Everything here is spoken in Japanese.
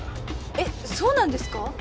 えっそうなんですか？